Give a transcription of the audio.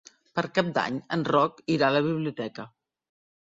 Per Cap d'Any en Roc irà a la biblioteca.